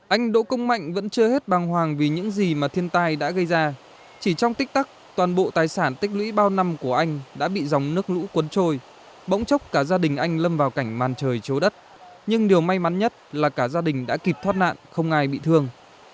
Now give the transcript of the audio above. anh đỗ công mạnh vẫn chưa hết băng hoàng vì những gì mà thiên tai đã gây ra chỉ trong tích tắc toàn bộ tài sản tích lũy bao năm của anh đã bị dòng nước lũ cuốn trôi bỗng chốc cả gia đình anh lâm vào cảnh màn trời chố đất nhưng điều may mắn nhất là cả gia đình đã kịp thoát nạn không ai bị thương